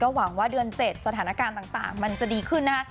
หวังว่าเดือน๗สถานการณ์ต่างมันจะดีขึ้นนะคะ